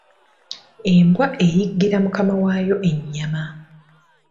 Embwa eyiggira Mukama waayo ennyama.